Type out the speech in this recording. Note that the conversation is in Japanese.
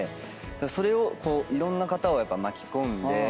それをいろんな方を巻き込んで。